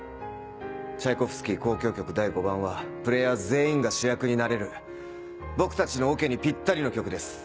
チャイコフスキー『交響曲第５番』はプレーヤー全員が主役になれる僕たちのオケにぴったりの曲です。